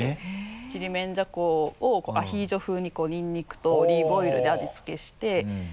ちりめんじゃこをアヒージョ風にこうニンニクとオリーブオイルで味付けして。